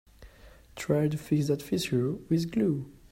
Try to fix that fissure with glue.